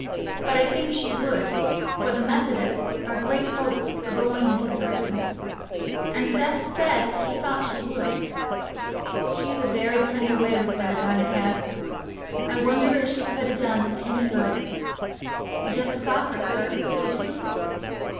But I think she would, for the Methodists are great folks for going into the prisons; and Seth said he thought she would. She'd a very tender way with her, Dinah had; I wonder if she could ha' done any good. You never saw her, sir, did you?"